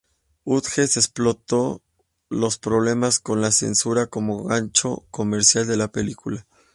Hughes explotó los problemas con la censura como gancho comercial de la película.